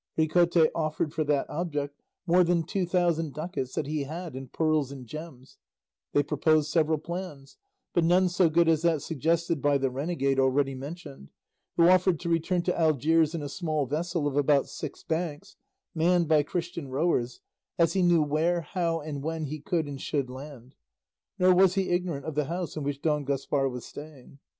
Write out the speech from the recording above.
Ricote offered for that object more than two thousand ducats that he had in pearls and gems; they proposed several plans, but none so good as that suggested by the renegade already mentioned, who offered to return to Algiers in a small vessel of about six banks, manned by Christian rowers, as he knew where, how, and when he could and should land, nor was he ignorant of the house in which Don Gaspar was staying.